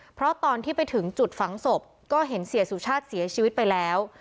เพราะตอนที่ไปถึงจุดฝังศพก็เห็นเสียสุชาติเสียชีวิตไปแล้ว